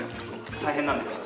大変なんですよね。